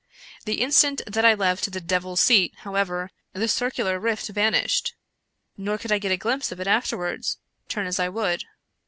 The instant that I left ' the devil's seat,' however, the circular rift vanished ; nor could I get a glimpse of it afterwards, turn as I would.